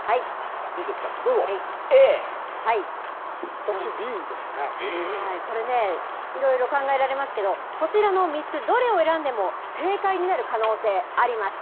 私、これね、いろいろ考えられますけど、こちらの３つ、どれを選んでも正解になる可能性あります。